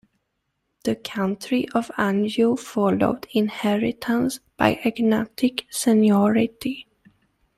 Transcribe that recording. The County of Anjou followed inheritance by agnatic seniority.